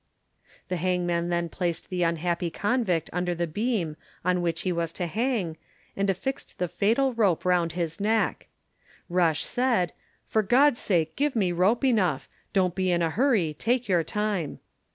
The hangman then placed the unhappy convict under the beam on which he was to hang, and affixed the fatal rope around his neck. Rush said, "For God's sake give me rope enough. Don't be in a hurry; take your time."